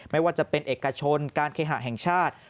ไม่ว่าจะเป็นเอกชนการเคหะแห่งชาติ